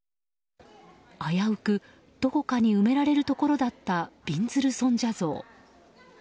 危うくどこかに埋められるところだったびんずる尊者像。